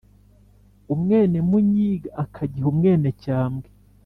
umwénemúnyig akagiha umwénecyambwe